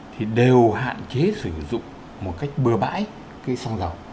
thì đều hạn chế sử dụng một cách bừa bãi cây xăng dầu